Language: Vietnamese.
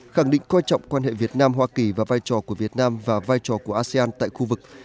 khẳng định coi trọng quan hệ việt nam hoa kỳ và vai trò của việt nam và vai trò của asean tại khu vực